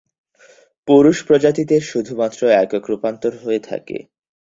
পুরুষ প্রজাপতিদের শুধুমাত্র একক রূপান্তর হয়ে থাকে।